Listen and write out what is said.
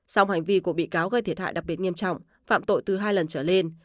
song hành vi của bị cáo gây thiệt hại đặc biệt nghiêm trọng phạm tội từ hai lần trở lên